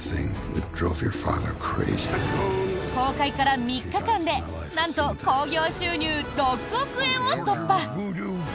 公開から３日間でなんと興行収入６億円を突破！